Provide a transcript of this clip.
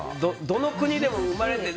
どの国でも生まれて。